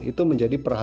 itu menjadi perhatian